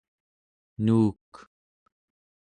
nuuk